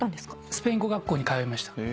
スペイン語学校に通いました。